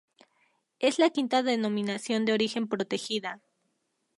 Es la quinta denominación de origen protegida.